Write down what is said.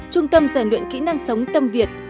trung tâm giải luyện kỹ năng sống tâm việt